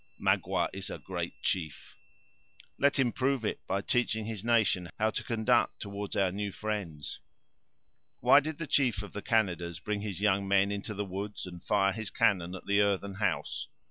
"Magua is a great chief." "Let him prove it, by teaching his nation how to conduct themselves toward our new friends." "Why did the chief of the Canadas bring his young men into the woods, and fire his cannon at the earthen house?"